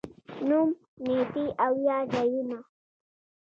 نوم، نېټې او یا ځايونه